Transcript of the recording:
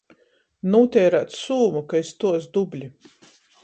Nūteirēt sūmu, ka iz tuos dubli.